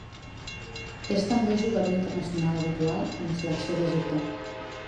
És també jugador internacional habitual amb la selecció d'Egipte.